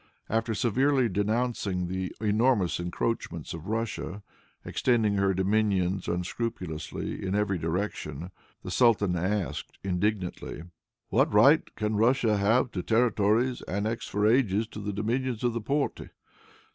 After severely denouncing the enormous encroachments of Russia, extending her dominions unscrupulously in every direction, the sultan asked indignantly, "What right can Russia have to territories annexed for ages to the dominions of the Porte?